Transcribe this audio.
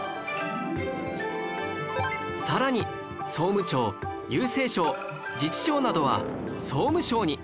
さらに総務庁郵政省自治省などは総務省に